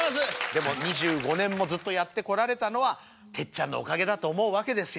でも２５年もずっとやってこられたのはテッちゃんのおかげだと思うわけですよ。